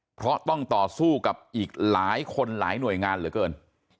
เพราะต้องต่อสู้กับอีกหลายคนหลายหน่วยงานเหลือเกิน